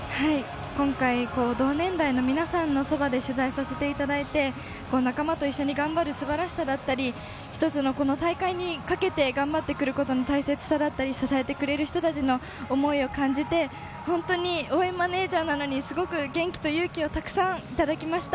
今回、同年代の皆さんのそばで取材させていただいて、仲間と一緒に頑張る素晴らしさだったり、一つの大会に懸けて頑張ってくることの大切さだったり、支えてくれる人たちの思いを感じて本当に応援マネージャーなのに、すごく元気と勇気をたくさんいただきました。